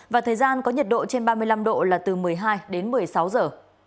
và thời gian có nhiệt độ trên ba mươi năm độ là từ một mươi hai đến một mươi sáu giờ